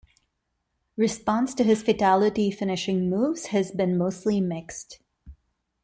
Response to his Fatality finishing moves has been mostly mixed.